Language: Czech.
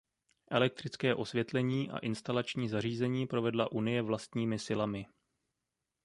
Elektrické osvětlení a instalační zařízení provedla Unie vlastními silami.